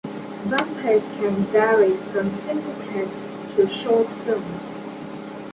Bumpers can vary from simple text to short films.